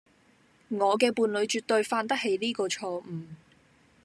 我嘅伴侶絕對犯得起呢個錯誤